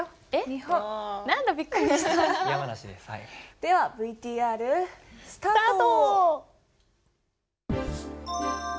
ではＶＴＲ。スタート。